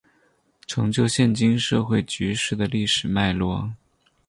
成就现今社会局势的历史脉络